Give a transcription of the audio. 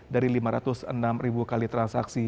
dari lima ratus enam ribu kali transaksi